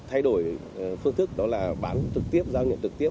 thay đổi phương thức đó là bán trực tiếp giao nhận trực tiếp